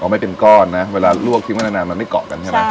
ไม่เป็นก้อนนะเวลาลวกทิ้งไว้นานมันไม่เกาะกันใช่ไหม